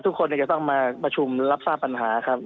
ก็ทุกคนเนี่ยจะต้องมาประชุมรับสร้างปัญหาครับ